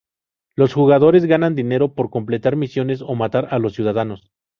Los jugadores ganan dinero por completar misiones o matar a los ciudadanos.